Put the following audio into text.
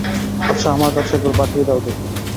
আচ্ছা, আমার কাছে একবার পাঠিয়ে দাও– দেখি!